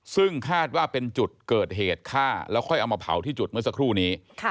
ซึ่งคาดว่าเป็นจุดเกิดเหตุฆ่าแล้วค่อยเอามาเผาที่จุดเมื่อสักครู่นี้